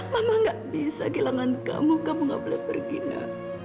mama gak bisa kehilangan kamu kamu gak boleh bergina